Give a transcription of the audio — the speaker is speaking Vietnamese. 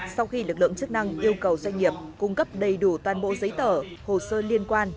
sau khi lực lượng chức năng yêu cầu doanh nghiệp cung cấp đầy đủ toàn bộ giấy tờ hồ sơ liên quan